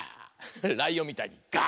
ライオンみたいに「があ！」。